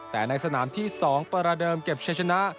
แต่ในสนามที่๒ประเดิมเก็บใช้ชนะ